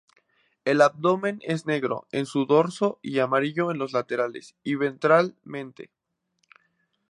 El abdomen es negro en su dorso y amarillo en los laterales y ventralmente.